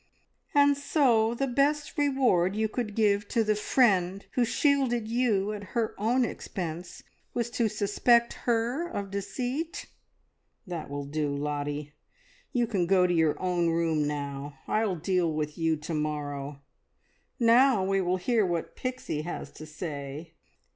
"And so the best reward you could give to the friend who shielded you at her own expense was to suspect her of deceit! That will do, Lottie! You can go to your own room now. I will deal with you to morrow. Now we will hear what Pixie has to say!"